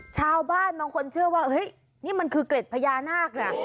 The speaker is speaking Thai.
ชาวบ้านต้องคนเชื่อว่านี่คือเกร็จพยานาคนะ